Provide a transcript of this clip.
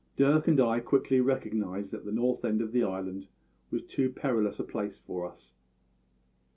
Dirk and I quickly recognised that the north end of the island was too perilous a place for us.